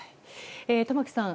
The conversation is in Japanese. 玉城さん